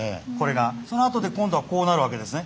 そのあとで今度はこうなるわけですね。